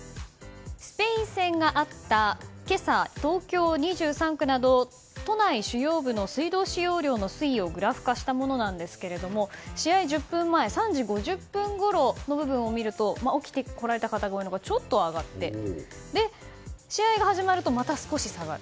スペイン戦があった今朝、東京２３区など都内主要部の水道使用量の推移をグラフ化したものなんですが試合１０分前３時５０分ごろを見ると起きてこられた方が多いのかちょっと上がって試合が始まるとまた少し下がる。